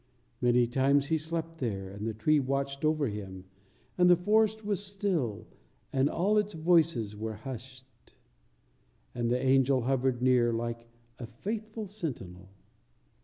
Many times He slept there, and the tree watched over Him, and the forest was still, and all its voices were hushed. And the angel hovered near like a faithful sentinel.